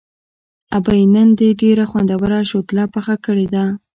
ابۍ نن دې ډېره خوندوره شوتله پخه کړې ده.